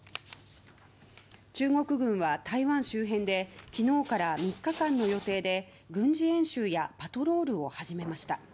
中国軍は台湾周辺で昨日から３日間の予定で軍事演習やパトロールを始めました。